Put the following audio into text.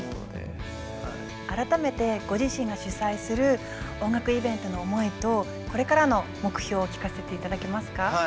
改めてご自身が主催する音楽イベントの思いとこれからの目標を聞かせていただけますか？